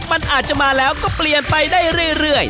มันอาจจะมาแล้วก็เปลี่ยนไปได้เรื่อย